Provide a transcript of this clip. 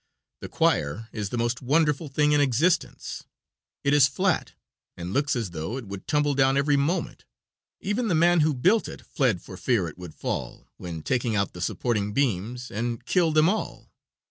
The choir is the most wonderful thing in existence. It is flat and looks as though it would tumble down every moment; even the man who built it fled for fear it would fall, when taking out the supporting beams, and kill them all.